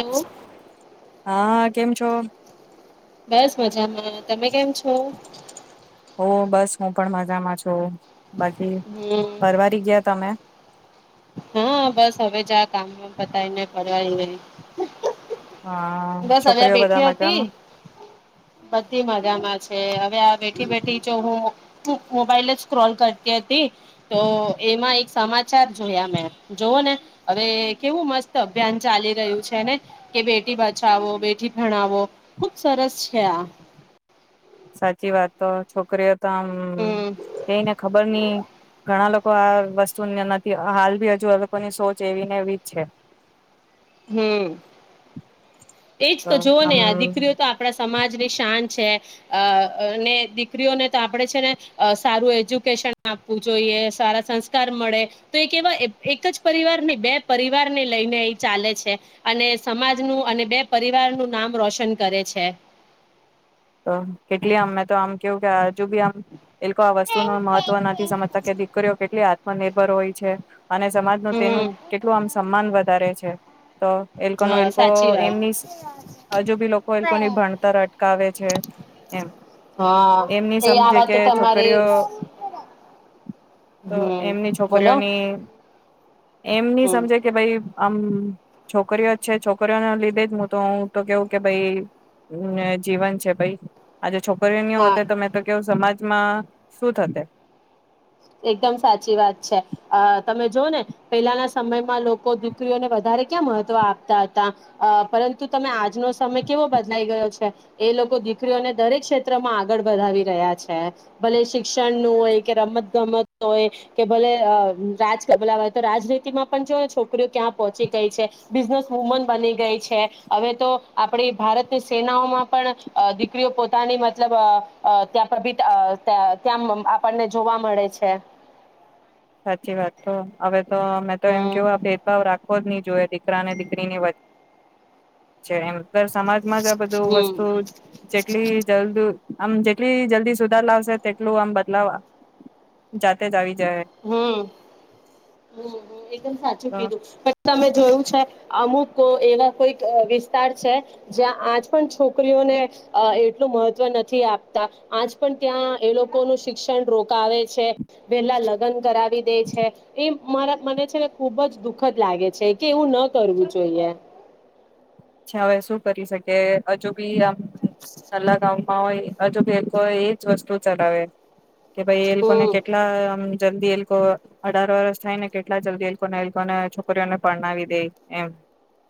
Hello હા. કેમ છો? બસ મજામાં. તમે કેમ છો? હો બસ. હું પણ મજામાં છું. બાકી, હમ પરવારી ગયા તમે? હા. બસ હવે જા કામ વામ પતાવીને પરવારી ગયે અ - બસ હવે છોકરીઓ બધા બેઠી હતી. મજામાં બધી મજામાં છે હ બેઠી-બેઠી જો હું મોબાઈલ જ સ્ક્રોલ કરતી હતી. તો એમાં એક સમાચાર જોયા, મેં જોવ ને હવે કેવું મસ્ત અભિયાન ચાલી રહ્યું છે, ને કે બેટી બાજુ બચાવો, બેઠી ભણાવો ખુબ સરસ છે આ. સાચી વાત. તો છોકરીઓ તમ હમ કઈને ખબર ની ઘણા લોકો આ વસ્તુને નથી, હાલ ભી હજુ લોકોની સોચ એવી ને એવી જ છે. હમ્મ એજ તો જોવો ને આ દીકરીઓ તો આપણા સમાજની શાન છે. અ ને દીકરીઓને તો આપણે છે ને સારું એજ્યુકેશન આપવું જોઈએ, સારા સંસ્કાર મળે, તો એ કેવા અપ એક જ પરિવાર નહી બે પરિવારને લઈને એ ચાલે છે. અને સમાજનું અને બે પરિવાર નું નામ રોશન કરે છે. તો કેટલી આમ મે તો આમ કેવું કે હજુ ભી આમ એ લોકો આ વસ્તુ ન મહત્વ નથી સમજતા. કે દીકરીઓ કેટલી આત્મનિભર હોય છે. અને સમાજ ન તેનું હમ કેટલું આમ સન્માન વધારે છે. [inaudible] તો એ લોકો નો હા એ લોકો સાચી એમની વાત હજુ બી લોકો એ લોકોની ભણતર અટકાવે છે એમ હા એમની એ આ સમજે વાત તો કે તમારી છોકરીઓ તો હમ એમની બોલો છોકરીઓની એમની હમ સમજે કે ભાઈ આમ છોકરીઓ જ છે છોકરીઓને લીધે જ હું તો હું તો કેવું કે ભાઈ જીવન છે ભાઈ આજે છોક કરીની હા હોતે તો મે તો કઉં સમાજ મા શું થતે એકદમ સાચી વાત છે અ તમે જોઓ ને પેલાના સમયમાં લોકો દીકરીઓને વધારે ક્યાં મહત્વ આપતા હતા અ પરંતુ તમે આજનો સમય કેવો બદલાઈ ગયો છે એ લોકો દીકરીઓને દરેક ક્ષેત્રમાં આગળ વધાવી રહ્યા છે ભલે શિક્ષણનું હોય કે રમત ગમ્મતનો હોય કે ભલે અહ રાજ કલા હોય તો રાજનીતિમાં પણ જો છોકરીઓ ક્યાં પહોંચી ગઈ છે બિઝનેસ વુમન બની ગઈ છે હવે તો આપડી ભારતની સેનાઓમાં પણ અ દીકરીઓ પોતાની મતલબ અ ત્યાં પ્રભી ત્યાં અહ આપણને જોવા મળે છે. સાચી વાત તો અવે તો મેં તો એમ હમ કેવ આ ભેદભાવ રાખ ખવો જ નહી જોઈએ દીકરાને દીકરીની વ છે એમ સમાજમાં જ આ બધું હમ વસ્તુ જેટલી જલ્દ આમ જેટલી જલ્દી સુધાર લાવશે તેટલું આમ બદલાવવા જાતે જ આવી જાય હમ હ એકદમ સાચું તો કીધું પણ તમે જોયું છે અમુક કો એવા કોઈક અ વિસ્તાર છે જ્યાં આજ પણ છોકરીઓને અ એટલું મહત્વ નથી આપતા આજ પણ ત્યાં એ લોકોનુ શિક્ષણ રોકાવે છે વેલા લ ગન કરાવ વી દે છે એ મારા મને છે ને ખુબ જ દુઃખદ લાગે છે કે એવું ના કરવું જોઈએ. અછા હવે શું કરી શકે હજુ બી આમ કલાક આવુ હોય હજુ બી કોઈ એજ વસ્તુ ચલાવે કે ભાઈ એ લોકોને હમ કેટલા આમ જલ્દી એલકો અઢાર વર્ષ થાય ને કેટલા જલ્દી એલકોને એલકોને છોકરીઓને પરણાવી દેય એમ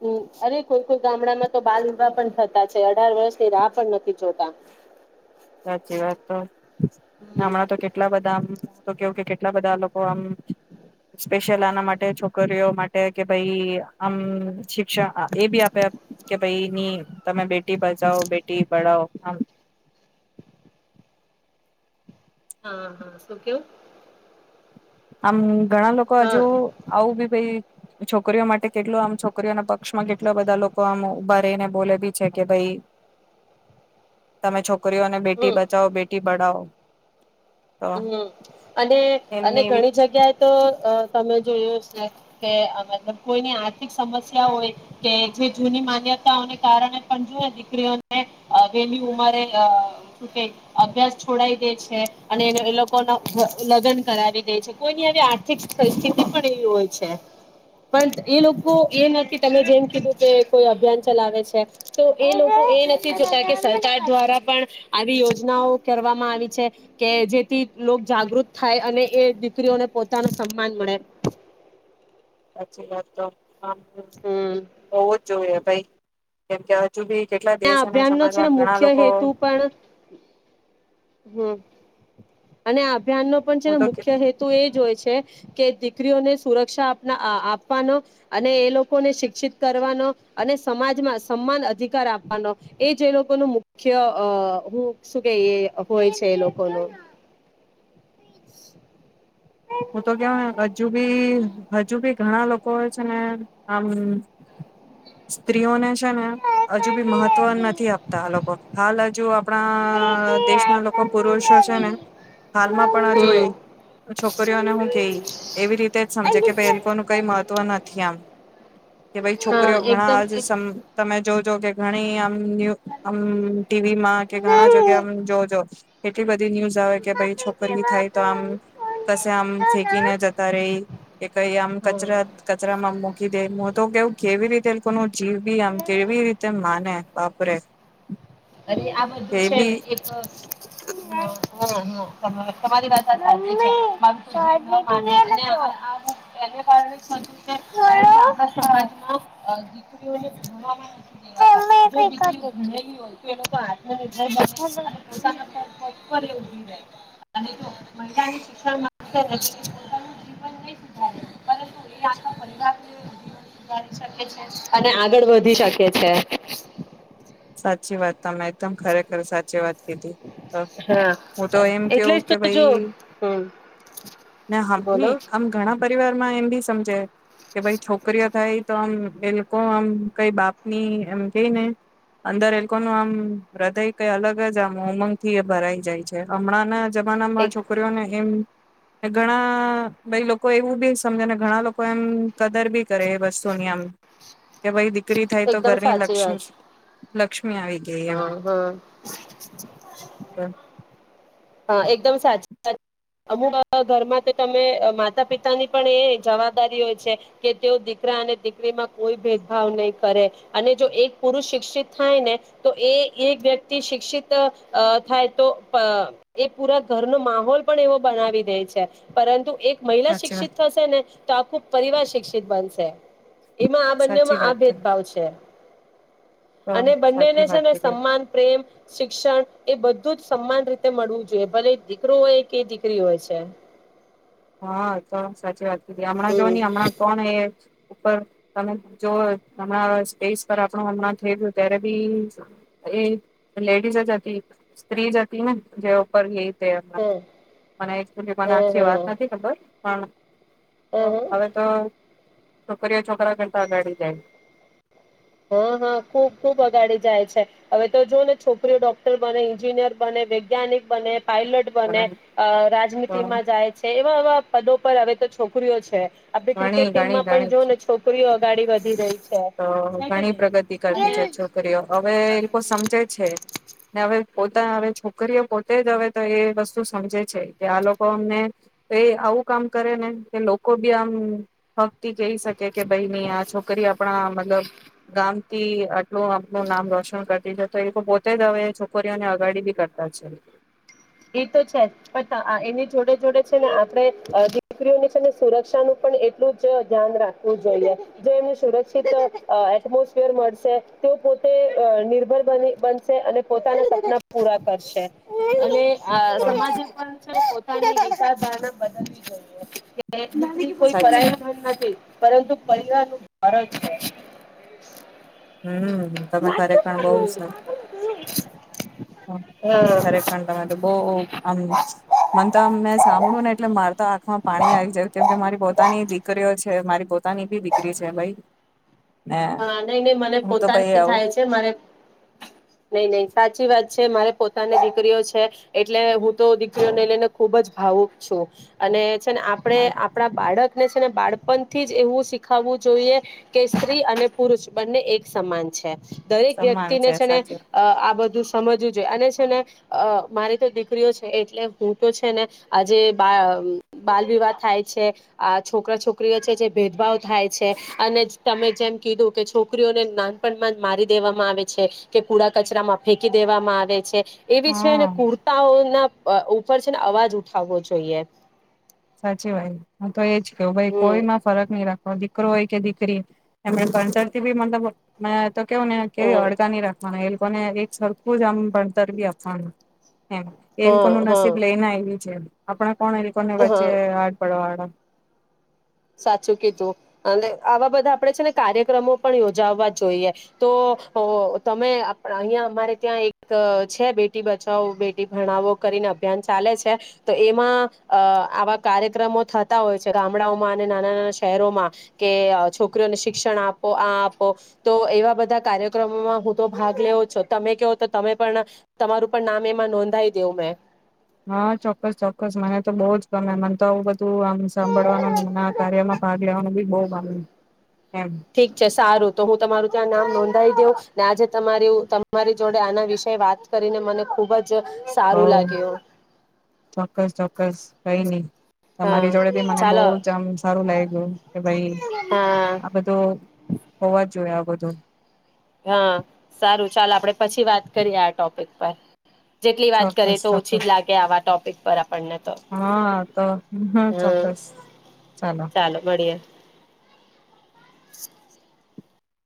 હમ્મ અરે કોઈ કોઈ ગામડામાં તો બાલ વિવાહ પણ થતા છે અઢાર વર્ષની રાહ પણ નથી જોતા સાચી વાત તો હમ હમણાં તો કેટલા બધા તો કેવું કે કેટલા બધા લોકો આમ સ્પેશિયલ આના માટે છોકરીઓ માટે કે ભાઈ આમ શિક્ષા એ બી આપે કે ભાઈની તમે બેટી બચાઓ બેટી પઢાઓ [inaudible] હા હા શું કેવ આમ ઘણા લોકો હજુ આવું બી ભાઈ છોકરીઓ માટે કેટલો આમ છોકરીઓના પક્ષમાં કેટલા બધા લોકો આમ ઉભા રહીને બોલે બી છે કે ભાઈ તમે છોક છોકરીઓને બેટી બચાવો બેટી પઢાવો તો હું અને અને એમની એવી જગ્યાએ તો તમે જોયું છે કે મતલબ કોઈની આર્થિક સમસ્યા હોય કે જે જૂની માન્યતાઓને કારણે પણ જોુ દીકરીઓને વેલી ઉંમરે ક અભ્યાસ છોડઈ દે છે અને એ લોકો લગ્ન કરાવી દે છે કોઈની આ આર્થિક પરિસ્થિતિ પણ એવી હોય છે પણ એ લોકો એ નથી તમે જેમ કીધું કે કોઈ અભિયાન ચલાવે છે તો એ લોકો એ નથી જોતા કે સરકાર દ્વારા પણ આવી યોજનાઓ કરવામાં આવી છે કે જેથી લોક જાગૃત થાય અને એ દીકરીઓને પોતાનું સન્માન મળે સાચી વાત તો હમ હોવ જ જોઈએ ભાઈ કેમ ક્યાં જુ ભી કેટલા આ દેશ અને અભિયાન નો છે સમાજમાં ને ઘણા મુખ્ય લોકો હેતુ પણ હમ અને આપ અભ્યાન નનો પણ છે હું ને તો મુખ્ય હેતુ એ જ હોય છે કે દીકરીઓને સુરક્ષાના આપવાનો અને એ લોકોને શિક્ષિત કરવાનો અને સમાજમાં સમાન અધિકાર આપવાનો એજ એ લોકો ન મુખ્ય હું શું કે હોય છે એ લોકોનો બ હું તો કેવાય હજુ બી હજુ બી ઘણા લોકો છે ને આમ સ્ત્રીઓને ને હજુ બી મહત્વ નથી આપતા આ લોકો હાલ હ જોુ આપણા દેશના લોકો પૂર વર્ષો છે ને હાલમાં પણ આ જોય હમ છોક છ હું કે એવી રીતે જ સમજે કે ભ એ લોકોનું કઈ મહત્વ નથી આમ કે ભ છો હા છોક એકદમ ઘણાજ એક તમે જોજો કે ઘણી આમ ન આમ ટીવીમાં કે ઘણા જગ્યા આમ જોજો એટલી બધી ન્યૂઝ આવે કે ભાઈ છોકરી થાય તો આમ મ ફેકીને જતા રહી, કે કઈ આમ હા કચરા કચરામાં મૂકી દે હ તો કેવું ઘેવી એ રીતે લોકોનું જીવ બી આમ કેવી રીતે માને, બાપરે. અરે આ બધું એ છે બી ને એક હ હરી [unintelligible] લોકો આત્મનર્ભર બન શિક્ષ જ એ પરવાર જધારીકે છે અને આગળ વધી શકે છે [unintelligible] સાચી વાત. તમે એકદમ ખરેખર સાચી વાત ખેતી. હા હું તો એમ એટલે કું જ કે તો જો ભાઈ, હમ ન બોલો આમ ઘણા પરિવારમાં એમ ભી સમજે કે ભાઈ છોકરીઓ થાય તો આમ એ લોકો આમ કઈ બાપની એમ જઈ ને અંદર એ લોકોનું આમ હૃદય કઈ અલગ જ આમ ઉમંગ થી એ ભરાઈ જાય છે હમણાં જમાના માં એક છોકરીઓને એમ ઘણા ભાઈ લોકો એવું બી સમજે ને ઘણા લોકો એમ કદર બી કરે એ વસ્તુની આમ. કે ભાઈ દીકરી થાય તો ઘરની લક્ષ્મી. લક્ષ હમ હમ. હા એકદમ સાચી અમુ ઘરમાં તો તમે માતા પિતાની પણ એ જવાબદારી હોય છે, કે તેઓ દીકરા અને દીકરીમાં કોઈ ભેદભાવ નહીં કરે, અને જો એક પુરુષ શિક્ષિત થાય ને, તો એ એક વ્યક્તિ શિક્ષિત થાય તો એ પૂરા ઘરનો માહોલ પણ એવો બનાવી દે છે, પરંતુ એક મહિલા સાચી શિક્ષિત વાત થશે ને, તો ખૂબ પરિવાર શિક્ષિત બનસે. એમાં આ સાચી બંનેમાં આ વાત ભેદભાવ છે. તો અને બંનેને સાચી છે વાત ને કરી સમાન પ્રેમ શિક્ષણ, એ બધું જ સમાન રીતે મળવું જોઈએ ભલે દીકરો એ કે દીકરી હોય છે. હા તો સાચી વાત. હમણાં જો હમ નહ હમણાં કોણ એ ઉપર તમે જો હમણાં સ્પેસ પર આપણું હમણાં થઈ ગયું ત્યારે બી, એ લેડીઝ જ હતી, સ્ત્રી જ હતી ને જે ઉપર મ હા મને એક મને હા આખી હા વાત હાજ ખબર. હ. હા ઓ હા હવે તો છોકરીઓ છોકરા કરતા આગાડી જાય. હા હા ખુબ ખુબ અગાડી જાય છે, હવે તો જો ને છોકરીઓ ડોક્ટર બને ન્જિનિયર બને વૈજ્ઞાનિક બને પાયલટ બને જાય તો રાજનીતિમાં જાય છે એવા એવા પદો પર હવે તો છોકરીઓ છે. આપે ઘણી ક્રિકેટ ઘણી ટીમમાં પણ જો ને છોકરીઓ અગાડી વધ રઈ હ. ઘણી પ્રગતિ કરતી છે, છોકરીઓ હવે એ લોકો પ્રગતિ કરે સમજે છે. હવે પોતા હવે છોકરીઓ પોતે જ હવે તો એ વસ્તુ સમજે છે, કે આ લોકો અમને એ આવું કામ કરે ને કે લોકો બી આમ કહી શકે કે ભાઈની આ છોકરી આપ મતલબ ગામ થી આટલું આપું નામ રોશન કરતી છે, તો એ લોકો પોતે હવે છોકરીઓને અગાડી બી કરતા છે. એ તો છે એની જોડે જોડે છે, ને આપણે દીકરીઓની છે ને સુરક્ષાનું પણ એટલું જ ધ્યાન રાખવું જોઈએ, જો એમને સુરક્ષિત એટમોસ્ફિયર મળશે, તે પોતે નિર્ભર બનશે અને પોતાના સપના પૂરા કરશે, અને અ તો સામાજિક ની વિચાર ધારણા બદલવી જોઈએ. બેટી કોય સાચી પરાયો ધન નથી. પરંતુ પરિવાર નું ભારત છે. હમ તમે ખરેખર બહુ સ હમ્મ હા ખરેખર તમે તો બવ હું ઓ ઓ આમ મન તો આમ મેં સાંભળ્યું ને એટલે મારતા આંખમાં પાણી આવી જાય કેમ કે મારી પોતાની દીકરીઓ છે. મારી પોતાની બી દીકરી છે, ભાઈ ને હા નઈ નહી મને હું તો ભાઈ પોતાને આવું થાય છે, મારે નઈ નહી સાચી વાત છે મારે પોતાની દીકરીઓ છે, એટલે હું તો દીકરીઓને લઈને ખુબ જ ભાવુક છું અને છે, આપડે મારું આપણા બાળક ને બાળપણ થી જ એવું શીખાવવું જોઈએ, કે સ્ત્રી અને પુરુષ બંને એક સમાન છે. દરેક સન્માન વ્યક્તિને છે, ને સાચી વાત. આ બધું સમજવું જોઈએ અને છે ને અ મારી તો દીકરીઓ છે. એટલે હું તો છે ને આ જે બા બાલ વિવાહ થાય છે, આ છોકરા છોકરીઓ છે જે ભેદભાવ થાય છે અને તમે જેમ કીધું કે છોકરીઓને નાનપણમાં જ મારી દેવામાં આવે છે, કે કુડા કચરામાં ફેંકી દેવામાં આવે છે. એવી છે ને હા કુર્તાઓના ઉપર છે, ને અવાજ ઉઠાવવો જોઈએ. સાચી વાત તો એજ કેહવું ભાઈ હમ કોઈમાં ફરક નહીં, રાખવા દીકરો હોય કે દીકરી એમ ભસરથી બી મતલબ તો કેવું ને કેવી હમ હળગા નહી, રાખવાના અનેને એક સરખું જ આમ ભણતરવી આપનું એમ એલ હા કોનું હા નસીબ લઈને આવ્યું છે, આપણા કોણ એ કો પે હા આડ પડવા હા સાચું કીધું અને આવા બધા આપડે છે, ને કાર્યક્રમો પણ યોજાવા જોઈએ તો તમે અહિયાં અમારે ત્યાં એક છે બેટી બચાવો બેટી ભણાવો કરીને અભિયાન ચાલે છે, તો એમાં આવા કાર્યક્રમો થતા હોય છે, ગામડાઓ નાના નાના શહેરોમાં કે છોકરીઓને શિક્ષણ આપો આ આપો તો એવા બધા કાર્યક્રમોમાં હું તો ભાગ લેવ છ તમે કહો તો તમે પણ તમારું પણ નામ એમાં નોંધાઈ દેવું મેં હા, ચોક્કસ ચોક્કસ મને તો બહુ જ ગમે મને તો આવું બધું આમ સાંભળવાનું ને મ કાર્યમાં ભાગ લેવાનું બી બહ ગમે એમ ઠીક છે સારું તો હું તમારું ત્યા નામ નોંધાવ દવ ને આજે તમારી તમારી જોડે આના વિષ વાત કરીને મને ખુબ જ ઓ સારું લાગ્યું ચોક્કસ ચોક્કસ કઈ ની તમારી જોડે હા ભી મને બો ચાલો જ આમ સારું લાગ ગયું કે ભાઈ હા આ બધું હોવા જ જોએ બધુ હા સારું ચાલ આપડે પછી વાત કરીએ આ ટોપિક પર જેટલી વાત કરીએ ચોક્કસ તો ઓછી જ ચોક્કસ લાગે આવા ટોપિક પર આપણને તો હા તો હા હમ ચોક્કસ ચાલો મળીએ [inaudible]